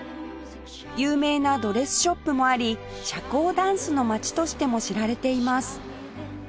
有名なドレスショップもあり「社交ダンスの街」としても知られています